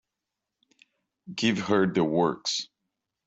Give her the works.